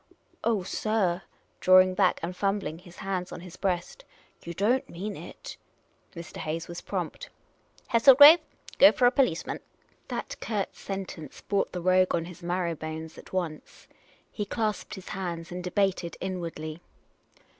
" Oh, sir," drawing back, and fumbling his hands on his breast, " you don't mean it." Mr. Hayes was prompt. " Hesslegrave, go for a police mdU." 33^ Miss Cayley's Adventures That curt sentence brought the rogue on his marrow bones at once. He clasped his hands and debated inwardly.